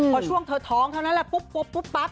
พอช่วงเธอท้องเท่านั้นแหละปุ๊บปั๊บ